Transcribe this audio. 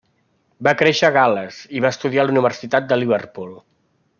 Va créixer a Gal·les i va estudiar a la Universitat de Liverpool.